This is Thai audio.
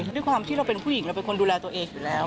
ด้วยความที่เราเป็นผู้หญิงเราเป็นคนดูแลตัวเองอยู่แล้ว